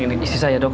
ini istri saya dok